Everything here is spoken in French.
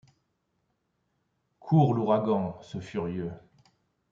Court l’ouragan, . ce furieux